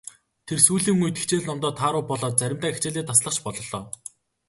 Тэр сүүлийн үед хичээл номдоо тааруу болоод заримдаа хичээлээ таслах ч боллоо.